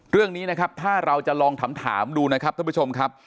เรื่องนี้นะครับถ้าเราจะลองถามดูนะครับท่านผู้ชมครับ